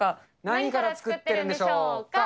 何から作ってるんでしょうか。